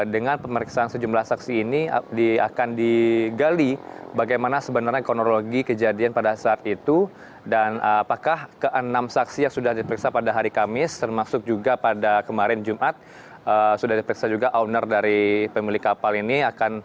dengan pemeriksaan sejumlah saksi ini akan digali bagaimana sebenarnya kronologi kejadian pada saat itu dan apakah ke enam saksi yang sudah diperiksa pada hari kamis termasuk juga pada kemarin jumat sudah diperiksa juga owner dari pemilik kapal ini